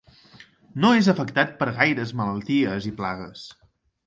No és afectat per gaires malalties i plagues.